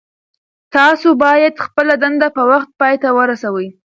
تاسو باید خپله دنده په وخت پای ته ورسوئ.